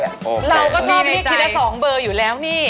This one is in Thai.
เราก็ชอบนี่คลิกละ๒เบอร์อยู่แล้วนี่